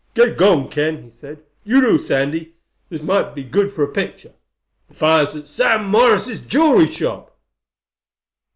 "Get going, Ken," he said. "You too, Sandy. This might be good for a picture. The fire's at Sam Morris's jewelry shop!"